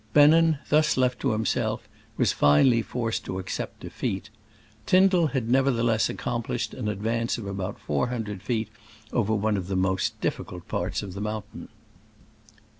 Bennen, thus left to himself, "was finally forced to accept defeat." Tyndall had nevertheless ac complished an advance of about four hundred feet over one of the most dif ficult parts of the mountain.